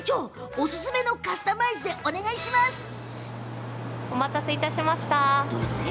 おすすめのカスタマイズでお願いします。